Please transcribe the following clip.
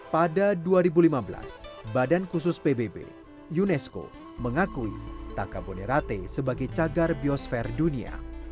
pada dua ribu lima belas badan khusus pbb unesco mengakui taka bonerate sebagai cagar biosfer dunia